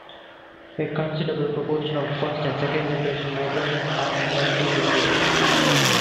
A considerable proportion of first- and second-generation migrants are multilingual.